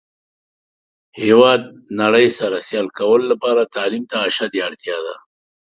هیواد د نړۍ سره سیال کولو لپاره تعلیم ته اشده اړتیا ده.